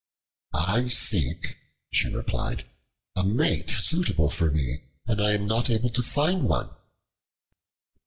"I seek," she replied, "a mate suitable for me, and am not able to find one."